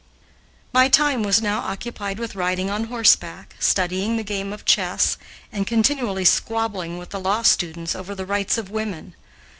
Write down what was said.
My time was now occupied with riding on horseback, studying the game of chess, and continually squabbling with the law students over the rights of women.